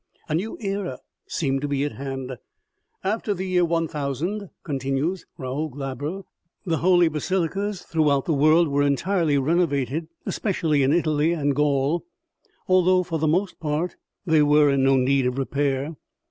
A new era seemed to be at hand. " After the year 1000," con tinues Raoul Glaber, " the holy basilicas throughout the world were entirely renovated, especially in Italy and Gaul, although for the most part they were in no need of repair.